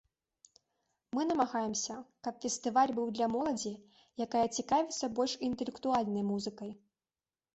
Мы намагаемся, каб фестываль быў для моладзі, якая цікавіцца больш інтэлектуальнай музыкай.